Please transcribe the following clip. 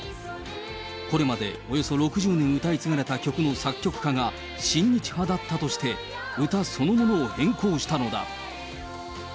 これまでおよそ６０年歌い継がれた曲の作曲家が親日派だったとして、歌そのものを変更したのだ。